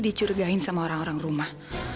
dicurigain sama orang orang rumah